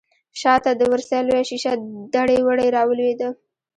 شا ته د ورسۍ لويه شيشه دړې وړې راولوېده.